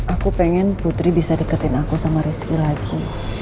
aku pengen putri bisa deketin aku sama rizky lagi